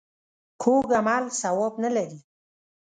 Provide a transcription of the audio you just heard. کوږ عمل ثواب نه لري